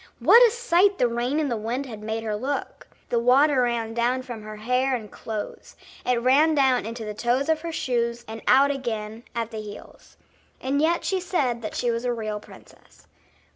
what a sight the rain and the wind had made her look. The water ran down from her hair and clothes; it ran down into the toes of her shoes and out again at the heels. And yet she said that she was a real princess.